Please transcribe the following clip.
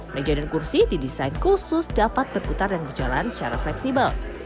meja dan kursi didesain khusus dapat berputar dan berjalan secara fleksibel